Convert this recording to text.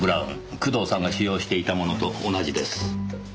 工藤さんが使用していたものと同じです。